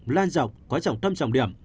loan rộng quá trọng tâm trọng điểm